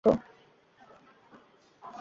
ওরা ছিল অতিশয় জালিম ও অবাধ্য।